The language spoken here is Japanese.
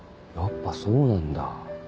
やっぱそうなんだ。